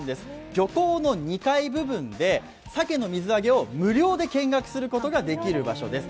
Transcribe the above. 漁港の２階部分で鮭の水揚げを無料で見学することができる場所です。